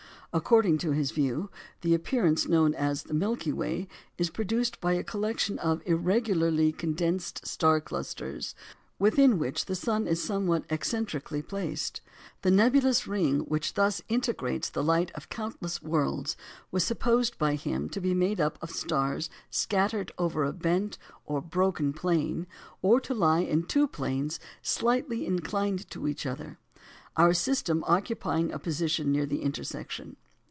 According to his view, the appearance known as the Milky Way is produced by a collection of irregularly condensed star clusters, within which the sun is somewhat eccentrically placed. The nebulous ring which thus integrates the light of countless worlds was supposed by him to be made up of stars scattered over a bent or "broken plane," or to lie in two planes slightly inclined to each other, our system occupying a position near their intersection.